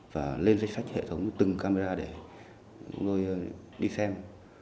và lên danh sách hệ thống từng camera để chúng tôi đi xem